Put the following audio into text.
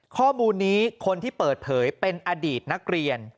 ข้อมูลนี้คนที่เปิดเผยเป็นอดีตนักเรียน